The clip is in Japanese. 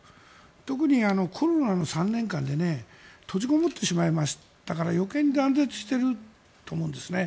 特にコロナの３年間で閉じこもってしまいましたから余計に断絶していると思うんです。